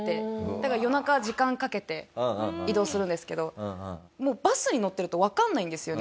だから夜中時間かけて移動するんですけどもうバスに乗ってるとわかんないんですよね。